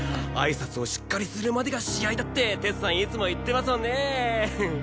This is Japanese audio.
あいさつをしっかりするまでが試合だってテツさんいつも言ってますもんね！